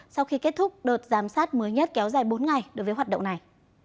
sau khi kết thúc đợt giám sát mới nhất kéo dài bốn ngày đối với hoạt động này